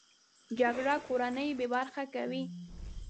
جګړه کورنۍ بې برخې کوي